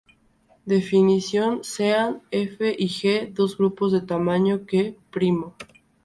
Definición: Sean F y G dos grupos de tamaño q primo.